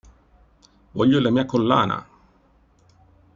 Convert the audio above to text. Voglio la mia collana!”.